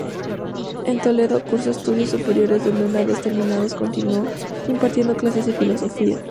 En Toledo cursó estudios superiores, donde una vez terminados continuó impartiendo clases de filosofía.